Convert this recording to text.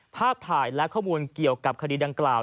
ภาพถ่ายและข้อมูลเกี่ยวกับคดีดังกล่าว